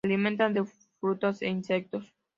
Se alimentan de frutas e insectos.